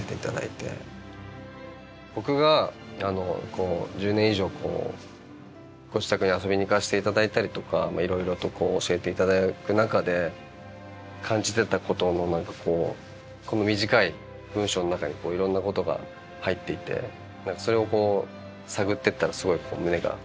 僕が１０年以上ご自宅に遊びに行かせていただいたりとかいろいろと教えていただく中で感じてたことの何かこうこの短い文章の中にいろんなことが入っていて何かそれを探ってったらすごい胸が熱くなってしまって。